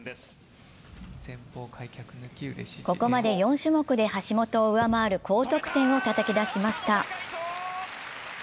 ここまで４種目で橋本を上回る高得点をたたき出しました。